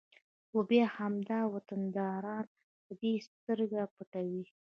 خو بیا همدا وطنداران په دې سترګې پټوي